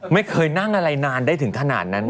ไม่เคยนั่งอะไรนานได้ถึงขนาดนั้น